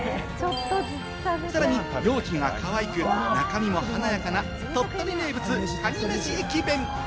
さらに容器がかわいく、中身も華やかな鳥取名物・かにめし駅弁。